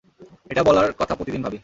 এটা বলার কথা প্রতিদিন ভাবি।